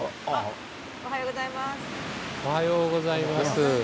おはようございます。